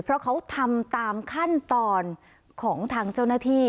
เพราะเขาทำตามขั้นตอนของทางเจ้าหน้าที่